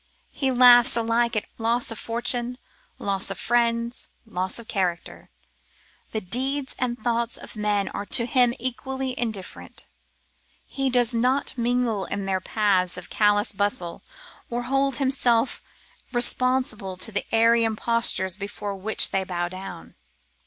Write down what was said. He laughs alike at loss of fortune, loss of friends, loss of character. The deeds and thoughts of men are tor him equally indifferent. He does not mingle in their paths of callous bustle, or hold himself responsible to the airy impostures before which they bow down.